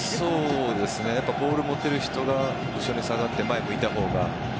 ボールを持ってる人が後ろに下がって前を向いた方が。